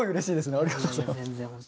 ありがとうございます。